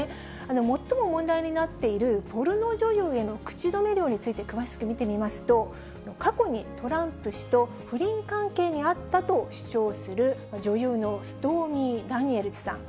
最も問題になっている、ポルノ女優への口止め料について詳しく見てみますと、過去にトランプ氏と不倫関係にあったと主張する女優のストーミー・ダニエルズさん。